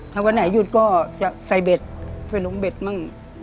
ถ้าวันไหนหยุดก็จะใส่เบ็ดช่วยลงเบ็ดมั่ง